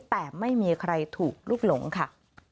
แต่ไม่มีใครถูกลุกหลงค่ะ